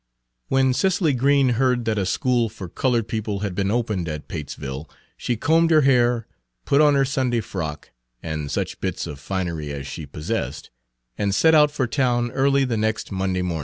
When Cicely Green heard that a school for colored people had been opened at Patesville she combed her hair, put on her Sunday frock and such bits of finery as she possessed, and set out for town early the next Monday morning.